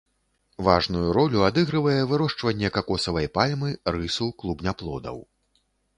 Важную ролю адыгрывае вырошчванне какосавай пальмы, рысу, клубняплодаў.